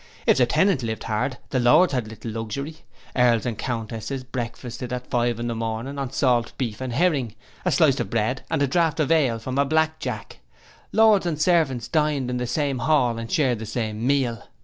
If the tenant lived hard, the lord had little luxury. Earls and countesses breakfasted at five in the morning, on salt beef and herring, a slice of bread and a draught of ale from a blackjack. Lords and servants dined in the same hall and shared the same meal."